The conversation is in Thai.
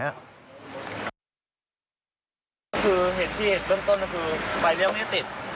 คือเหตุที่เรื่องต้นก็คือไฟเลี้ยวไม่ติด